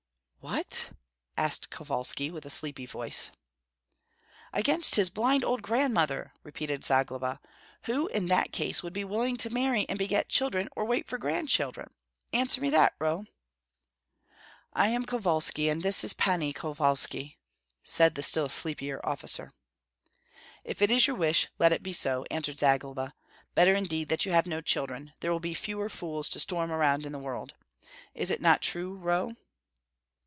"What?" asked Kovalski, with a sleepy voice. "Against his blind old grandmother!" repeated Zagloba. "Who in that case would be willing to marry and beget children, or wait for grandchildren? Answer me that, Roh." "I am Kovalski, and this is Pani Kovalski," said the still sleepier officer. "If it is your wish, let it be so," answered Zagloba. "Better indeed that you have no children, there will be fewer fools to storm around in the world. Is it not true, Roh?"